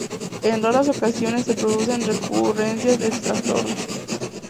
En raras ocasiones se producen recurrencias del trastorno.